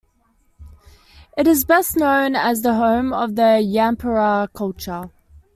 It is best known as the home of the Yampara culture.